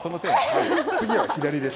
次は左です。